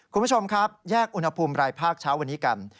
คุณผู้ชมครับแยกอุณหภูมิรายภาคเช้าวันนี้กัน